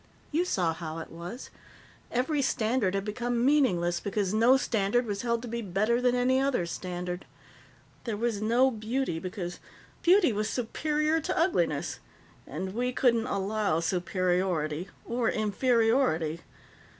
"You saw how it was. Every standard had become meaningless because no standard was held to be better than any other standard. There was no beauty because beauty was superior to ugliness and we couldn't allow superiority or inferiority.